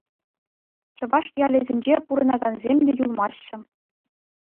Чӑваш ялӗсенче пурӑнакансем те юлмаҫҫӗ.